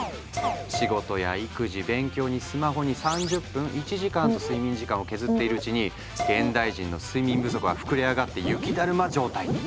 仕事や育児勉強にスマホに３０分１時間と睡眠時間を削っているうちに現代人の睡眠不足は膨れ上がって雪だるま状態に。